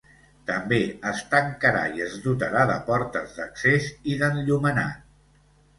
També es tancarà i es dotarà de portes d’accés i d’enllumenat.